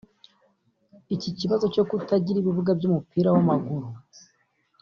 Iki kibazo cyo kutagira ibibuga by’umupira w’amaguru